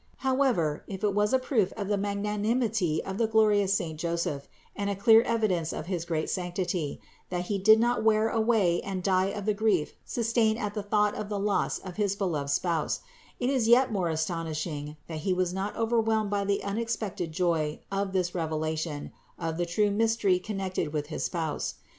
336 CITY OF GOD 412. However, if it was a proof of the magnanimity of the glorious saint Joseph and a clear evidence of his great sanctity, that he did not wear away and die of the grief sustained at the thought of the loss of his beloved Spouse, it is yet more astonishing, that he was not over whelmed by the unexpected joy of this revelation of the true mystery connected with his Spouse.